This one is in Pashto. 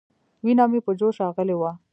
وينه مې په جوش راغلې وه.